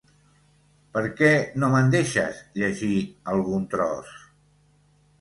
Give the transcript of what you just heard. Per què no me'n deixes llegir algun tros?